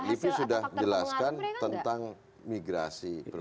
lipi sudah jelaskan tentang migrasi perpindahan